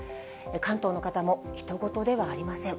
関東の方もひと事ではありません。